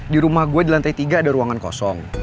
di rumah gue di lantai tiga ada ruangan kosong